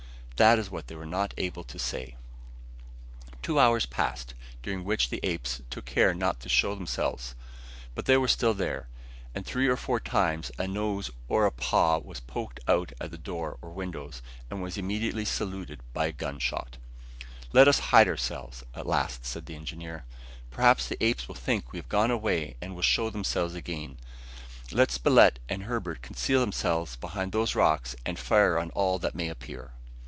that is what they were not able to say. [Illustration: THE INVADERS OF GRANITE HOUSE] Two hours passed, during which the apes took care not to show themselves, but they were still there, and three or four times a nose or a paw was poked out at the door or windows, and was immediately saluted by a gun shot. "Let us hide ourselves," at last said the engineer. "Perhaps the apes will think we have gone quite away and will show themselves again. Let Spilett and Herbert conceal themselves behind those rocks and fire on all that may appear."